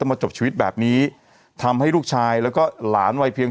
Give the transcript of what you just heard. มาจบชีวิตแบบนี้ทำให้ลูกชายแล้วก็หลานวัยเพียง